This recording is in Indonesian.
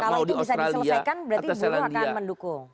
kalau itu bisa diselesaikan berarti buruh akan mendukung